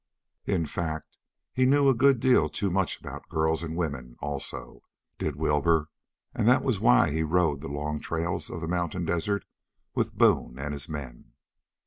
In fact, he knew a good deal too much about girls and women also, did Wilbur, and that was why he rode the long trails of the mountain desert with Boone and his men.